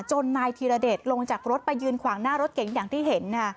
นายธีรเดชลงจากรถไปยืนขวางหน้ารถเก๋งอย่างที่เห็น